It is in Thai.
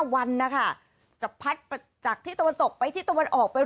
๕วันนะคะจะพัดจากที่ตรงนู้นไปที่ตรงนู้นออกไป